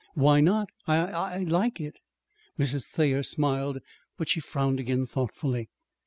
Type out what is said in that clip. "Why not? I I like it." Mrs. Thayer smiled, but she frowned again thoughtfully.